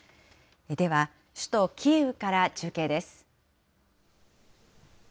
では、首都キーウから中継です。